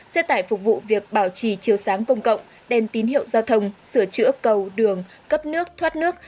xe tải phục vụ việc bảo trì chiều sáng công cộng đèn tín hiệu giao thông sửa chữa cầu đường cấp nước thoát nước